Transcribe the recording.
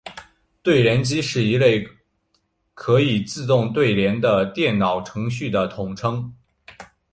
对联机是一类可以自动对对联的电脑程序的统称。